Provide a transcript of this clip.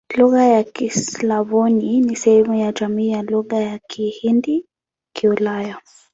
Lugha za Kislavoni ni sehemu ya jamii ya Lugha za Kihindi-Kiulaya.